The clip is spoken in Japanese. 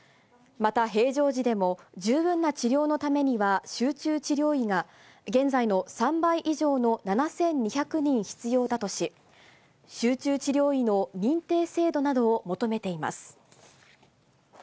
また平常時でも、十分な治療のためには集中治療医が、現在の３倍以上の７２００人必要だとし、集中治療医の認定制度などを求めています。